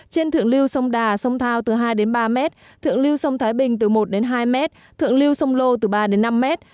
trên thượng lưu sông đà sông thao từ hai ba mét thượng lưu sông thái bình từ một hai mét thượng lưu sông lô từ ba năm mét